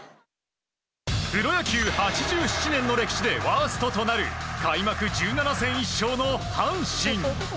プロ野球８７年の歴史でワーストとなる開幕１７戦１勝の阪神。